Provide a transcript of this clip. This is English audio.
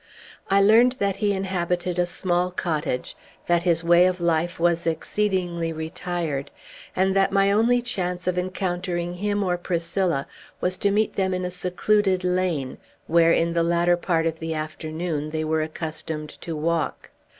I learned that he inhabited a small cottage, that his way of life was exceedingly retired, and that my only chance of encountering him or Priscilla was to meet them in a secluded lane, where, in the latter part of the afternoon, they were accustomed to walk.